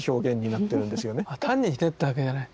単にひねったわけじゃない。